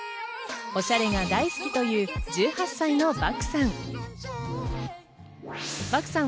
おしゃれが大好きという１８歳の漠さん。